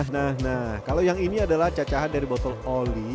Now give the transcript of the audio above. nah kalau yang ini adalah cacahan dari botol oli